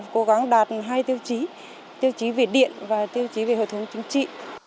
cố gắng đạt hai tiêu chí tiêu chí về điện và tiêu chí về hội thống chính trị